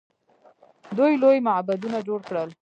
دوی لوی معبدونه جوړ کړل.